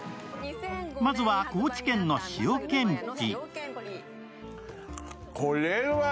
まずは高知県の塩けんぴ。